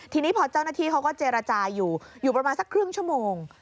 ทีนี้พอเจ้าหน้าที่เขาก็เจรจาอยู่อยู่ประมาณสักครึ่งชั่วโมง